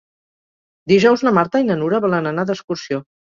Dijous na Marta i na Nura volen anar d'excursió.